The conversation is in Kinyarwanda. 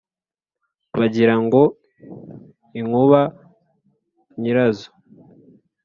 Bagira ngo inkuba nyirazo